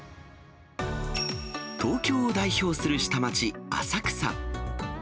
東京を代表する下町、浅草。